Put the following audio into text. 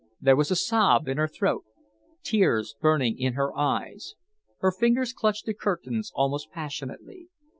There was a sob in her throat, tears burning in her eyes. Her fingers clutched the curtains almost passionately.